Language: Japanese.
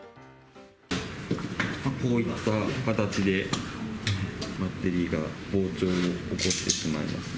こういった形で、バッテリーが膨張を起こしていますね。